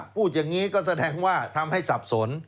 พูดอย่างนี้ก็แสดงว่าทำให้สับสน